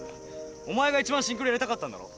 お前がいちばんシンクロやりたかったんだろ。